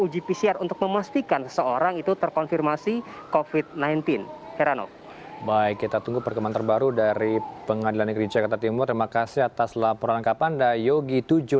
jika tidak maka mereka akan dianggap sebagai penyakit covid sembilan belas